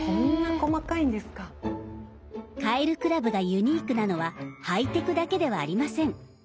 カエル倶楽部がユニークなのはハイテクだけではありません。